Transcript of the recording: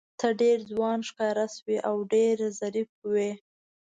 ته ډېر ځوان ښکاره شوې او ډېر ظریف وې.